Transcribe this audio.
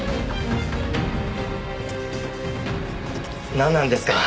なんなんですか？